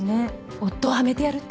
夫をはめてやるって。